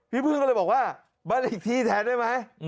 พี่พึ่งก็เลยบอกว่าบ้านเลขที่แทนได้ไหม